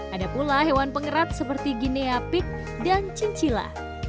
ada pula hewan pengerat seperti guinea pig dan chinchilla